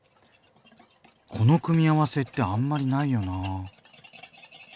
この組み合わせってあんまりないよなぁ。